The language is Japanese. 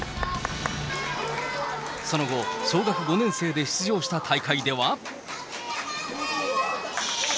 その後、小学５年生で出場した大会では。